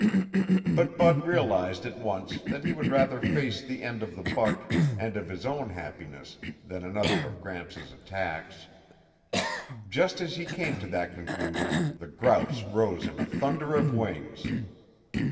But Bud realized at once that he would rather face the end of the buck and of his own happiness than another of Gramps' attacks. Just as he came to that conclusion, the grouse rose in a thunder of wings.